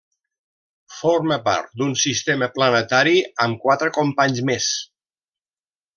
Forma part d'un sistema planetari amb quatre companys més.